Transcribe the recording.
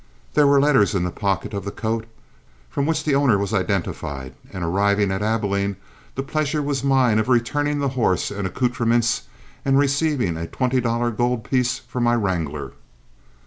There were letters in the pocket of the coat, from which the owner was identified, and on arriving at Abilene the pleasure was mine of returning the horse and accoutrements and receiving a twenty dollar gold piece for my wrangler.